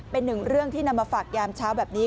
เป็นหนึ่งเรื่องที่นำมาฝากยามเช้าแบบนี้